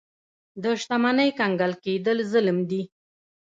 د شتمنۍ کنګل کېدل ظلم دی.